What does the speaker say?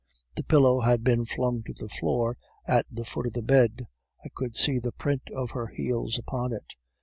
The pillow had been flung to the floor at the foot of the bed; I could see the print of her heel upon it.